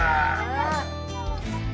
ああ！